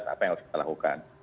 apa yang harus kita lakukan